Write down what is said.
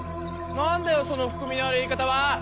なんだよそのふくみのある言い方は。